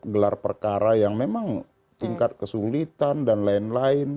gelar perkara yang memang tingkat kesulitan dan lain lain